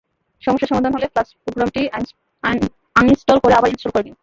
সমস্যা সমাধান হলে ফ্ল্যাশ প্রোগ্রামটি আনইনস্টল করে আবার ইনস্টল করে নিন।